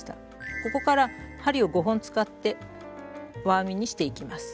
ここから針を５本使って輪編みにしていきます。